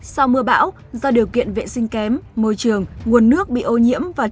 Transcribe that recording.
sau mưa bão do điều kiện vệ sinh kém môi trường nguồn nước bị ô nhiễm và trở lại